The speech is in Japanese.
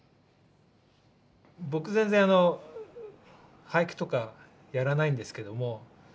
僕全然俳句とかやらないんですけども